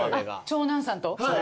長男さんと。